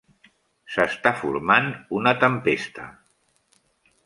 S'està formant una tempesta.